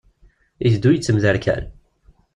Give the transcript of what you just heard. Iteddu yettemderkal.